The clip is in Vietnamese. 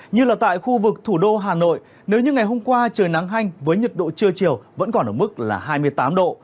như là tại khu vực thủ đô hà nội nếu như ngày hôm qua trời nắng hanh với nhiệt độ trưa chiều vẫn còn ở mức là hai mươi tám độ